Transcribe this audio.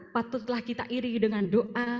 patutlah kita iringi dengan doa